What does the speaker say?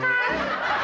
gak mau makan